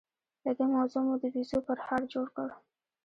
له دې موضوع مو د بيزو پرهار جوړ کړ.